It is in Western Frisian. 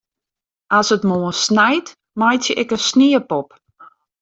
As it moarn snijt, meitsje ik in sniepop.